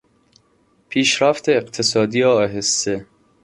پیشرفت اقتصادی آهسته